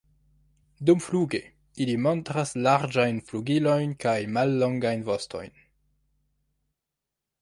Dumfluge ili montras larĝajn flugilojn kaj mallongajn vostojn.